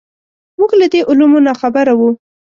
موږ له دې علومو ناخبره وو.